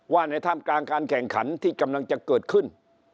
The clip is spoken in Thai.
ในท่ามกลางการแข่งขันที่กำลังจะเกิดขึ้น